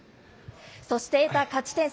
そして、得た勝ち点３。